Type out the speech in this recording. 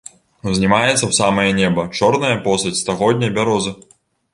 Узнімаецца ў самае неба чорная постаць стагодняй бярозы.